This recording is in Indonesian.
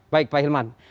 baik pak hilman